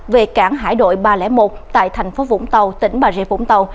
về cảng hải đội ba trăm linh một tại thành phố vũng tàu tỉnh bà rịa vũng tàu